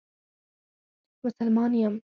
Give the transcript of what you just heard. مسلمان یم.